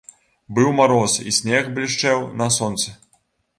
Быў мароз, і снег блішчэў на сонцы.